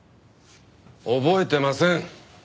覚えてません。